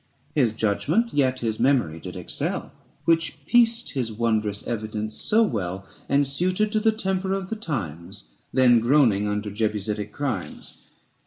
His judgment yet his memory did excel, 660 Which pieced his wondrous evidence so well And suited to the temper of the times, Then groaning under jebusitic crimes.